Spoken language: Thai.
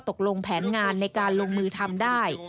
และรู้ข้อตกลงแผนงานในการลงมือทำได้